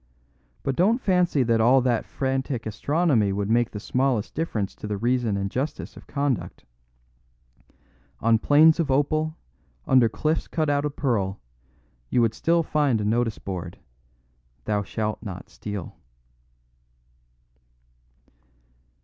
But don't fancy that all that frantic astronomy would make the smallest difference to the reason and justice of conduct. On plains of opal, under cliffs cut out of pearl, you would still find a notice board, 'Thou shalt not steal.